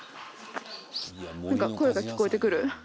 何か声が聞こえて来る。